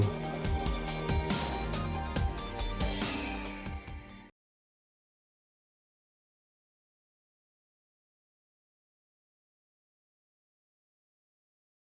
tentang narkotika dengan pidana empat hingga dua belas tahun kurungan penjara